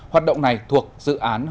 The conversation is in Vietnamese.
hoạt động này thuộc dự án hỗ trợ